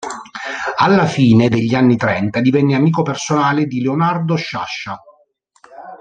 Alla fine degli anni trenta divenne amico personale di Leonardo Sciascia.